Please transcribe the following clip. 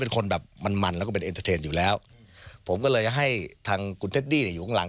ผมก็เลยให้คุณเทดดี้ยินข้างหลัง